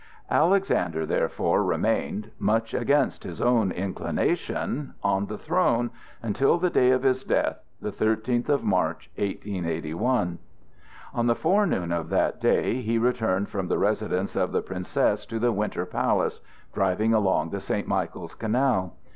Alexander therefore remained, much against his own inclination, on the throne until the day of his death, the thirteenth of March, 1881. On the forenoon of that day he returned from the residence of the Princess to the Winter Palace, driving along the St. Michael's Canal.